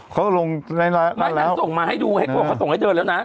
เขาก็ลงนางส่งมาให้ดูเขาส่งให้เธอแล้วนะ